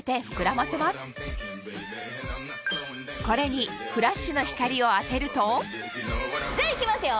これにフラッシュの光を当てるとじゃあいきますよ。